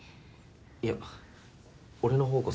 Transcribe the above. いや俺の方こそ。